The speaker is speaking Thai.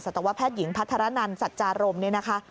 ตวแพทย์หญิงพัทรนันสัจจารมเนี่ยนะคะ